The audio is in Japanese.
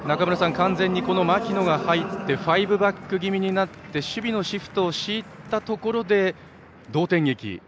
完全に槙野が入ってファイブバック気味になって守備のシフトを敷いたところで同点劇でした。